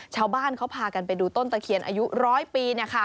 ชาวบ้านเขาพากันไปดูต้นตะเคียนอายุร้อยปี